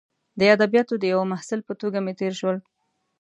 د ادبیاتو د یوه محصل په توګه مې تیر شول.